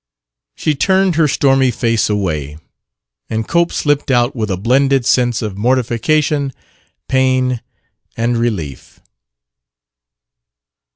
She turned her stormy face away, and Cope slipped out with a blended sense of mortification, pain and relief.